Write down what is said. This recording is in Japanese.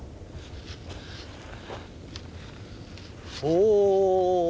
お。